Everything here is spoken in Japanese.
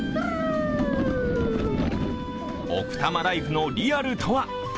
奥多摩ライフのリアルとは？